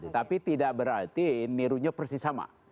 tapi tidak berarti nirunya persis sama